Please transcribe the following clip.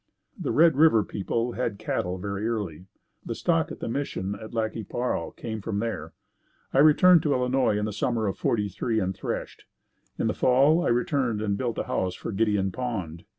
The Red River people had cattle very early. The stock at the mission at Lac qui Parle came from there. I returned to Illinois in the summer of '43 and threshed. In the Fall I returned and built a house for Gideon Pond.